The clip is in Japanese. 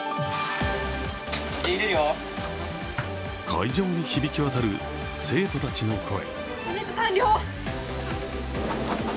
会場に響きわたる生徒たちの声。